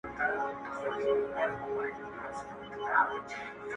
هغه شپه مي د ژوندون وروستی ماښام وای!.